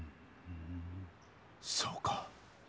そうか。